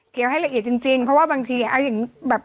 เดี๋ยวให้ละเอียดจริงเพราะว่าบางทีเอาอย่างแบบ